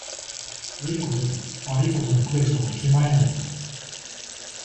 よいことと悪いことの区別をわきまえないこと。